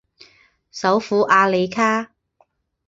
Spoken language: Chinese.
首府阿里卡。